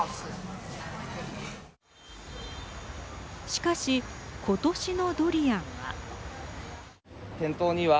しかし、ことしのドリアンは。